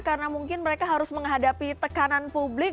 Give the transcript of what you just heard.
karena mungkin mereka harus menghadapi tekanan publik